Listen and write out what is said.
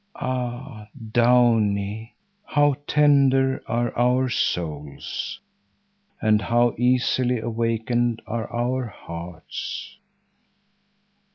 Ah Downie! How tender are our souls, and how easily awakened are our hearts!